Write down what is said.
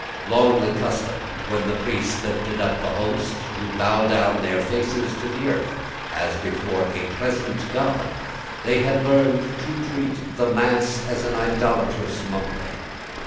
Long accustomed, when the priest lifted up the host, to bow down with their faces to the earth, as before a present God, they had learned to treat the mass as an idolatrous mummery.